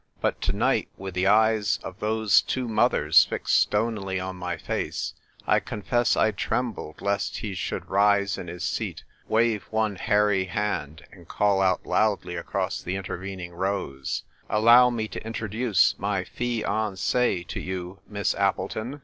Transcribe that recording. But to night, with the eyes of those two mothers fixed stonily on my face, I confess I trembled lest he should rise in his seat, wave one hairy hand, and call out loudly across the inter vening rows, " Allow me to introduce my fee on say to you. Miss Appleton!"